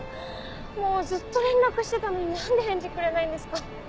もうずっと連絡してたのに何で返事くれないんですか？